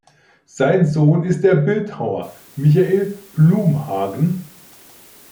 Sein Sohn ist der Bildhauer Michael Blumhagen.